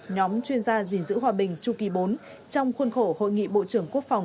nhóm chuyên gia gìn giữ hòa bình chu kỳ bốn trong khuôn khổ hội nghị bộ trưởng quốc phòng